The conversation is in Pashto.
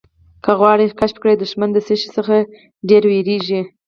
که غواړې کشف کړې دښمن د څه شي څخه ډېر وېرېږي.